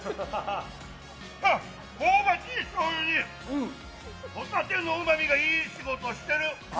香ばしいしょうゆにホタテのうまみがいい仕事してる。